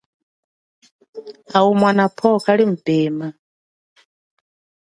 Au mwano pwo kali mupema.